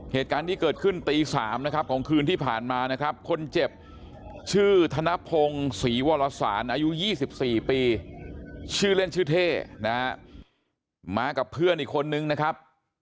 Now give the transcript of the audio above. เหตุการณ์นี้เกิดขึ้นตี๓นะครับของคืนที่ผ่านมานะครับคนเจ็บชื่อธนพงศรีวรสารอายุ๒๔ปีชื่อเล่นชื่อเท่นะฮะมากับเพื่อนอีกคนนึงนะครับ